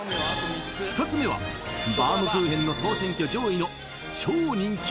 ２つ目はバウムクーヘンの総選挙上位の超人気